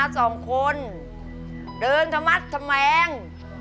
สองคนเดินทะมัดทะแมง